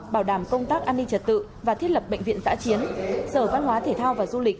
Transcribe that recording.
bảo đảm công tác an ninh trật tự và thiết lập bệnh viện giã chiến sở văn hóa thể thao và du lịch